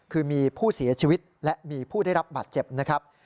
คือมีผู้เสียชีวิตและมีผู้ได้รับบาดเจ็บนะครับ